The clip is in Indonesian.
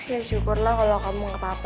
ya syukurlah kalo kamu gak apa apa